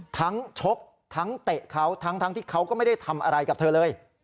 ชกทั้งเตะเขาทั้งที่เขาก็ไม่ได้ทำอะไรกับเธอเลย